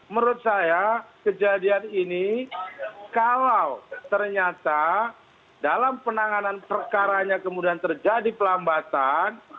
menurut saya kejadian ini kalau ternyata dalam penanganan perkaranya kemudian terjadi pelambatan